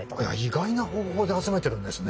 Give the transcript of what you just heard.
意外な方法で集めてるんですね。